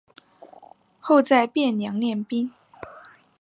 后在汴梁练兵。